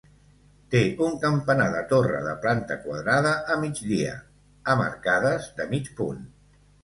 Té un campanar de torre, de planta quadrada, a migdia; amb arcades de mig punt.